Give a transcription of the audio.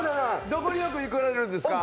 どこによく行かれるんですか？